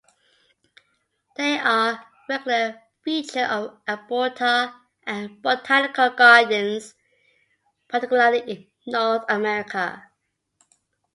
They are a regular feature of arboreta and botanical gardens, particularly in North America.